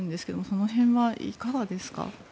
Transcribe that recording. その辺はいかがですか？